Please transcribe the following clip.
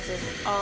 あ